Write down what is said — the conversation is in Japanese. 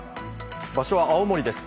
場所は青森です。